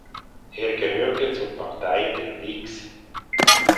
Er gehörte zur Partei der Whigs.